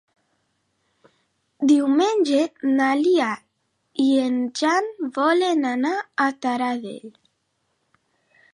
Diumenge na Lia i en Jan volen anar a Taradell.